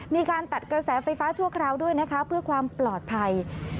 มีการตัดกระแสไฟฟ้าชั่วคราวด้วยนะคะเพื่อความปลอดภัย